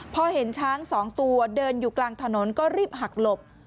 พอเห็นช้าง๒ตัวเดินอยู่กลางถนนก็รีบหักหลบ